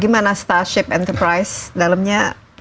gimana starship enterprise dalemnya